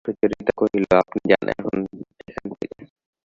সুচরিতা কহিল, আপনি যান এখান থেকে।